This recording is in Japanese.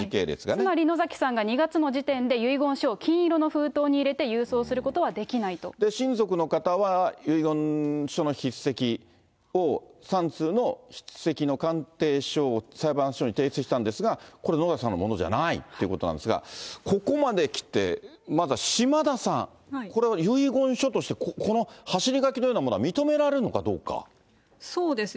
つまり、野崎さんが２月の時点で遺言書を金色の封筒に入れて郵送すること親族の方は、遺言書の筆跡を、３通の筆跡の鑑定書を裁判所に提出したんですが、これ野崎さんのものじゃないということなんですが、ここまできて、まずは島田さん、これは遺言書としてこの走り書きのようなものは、認められるそうですね。